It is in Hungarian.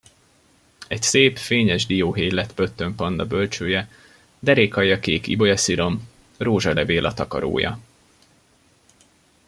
Egy szép, fényes dióhéj lett Pöttöm Panna bölcsője, derékalja kék ibolyaszirom, rózsalevél a takarója.